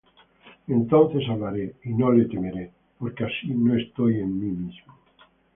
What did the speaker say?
Entonces hablaré, y no le temeré: Porque así no estoy en mí mismo.